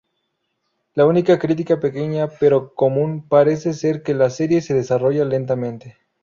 La única crítica pequeña pero común parece ser que la serie se desarrolla lentamente.